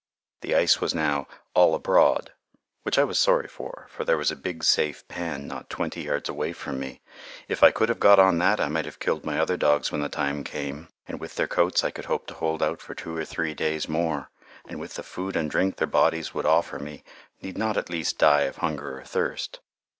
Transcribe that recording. The ice was now "all abroad," which I was sorry for, for there was a big safe pan not twenty yards away from me. If I could have got on that, I might have killed my other dogs when the time came, and with their coats I could hope to hold out for two or three days more, and with the food and drink their bodies would offer me need not at least die of hunger or thirst.